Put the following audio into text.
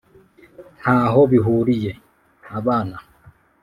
ntaho bihuriye! abana